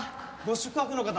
ご宿泊の方？